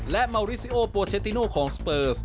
และเมาริซิโอโปเชติโนของสเปอร์